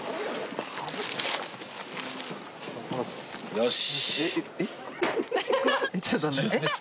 よし。